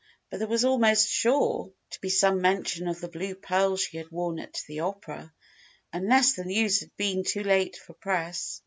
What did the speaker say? But there was almost sure to be some mention of the blue pearls she had worn at the opera, unless the news had been too late for press.